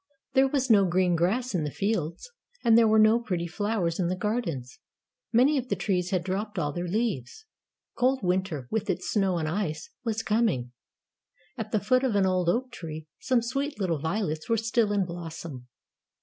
There was no green grass in the fields, and there were no pretty flowers in the gardens. Many of the trees had dropped all their leaves. Cold winter, with its snow and ice, was coming. At the foot of an old oak tree, some sweet little violets were still in blossom.